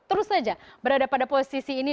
terus saja berada pada posisi ini